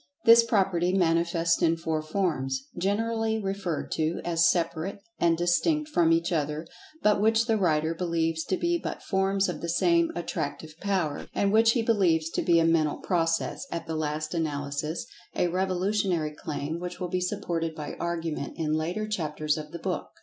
This property manifests in four forms, generally referred to as separate and distinct from each other, but which the writer believes to be but forms of the same Attractive Power, and which he believes to be a Mental Process, at the last analysis (a revolutionary claim, which will be supported by argument in later chapters of the book).